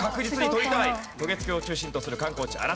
渡月橋を中心とする観光地。